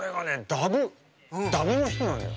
ダブダブの人なのよ。